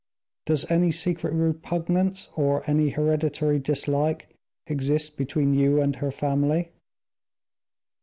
Does any secret repugnance, or any hereditary dislike, exist between you and her family?"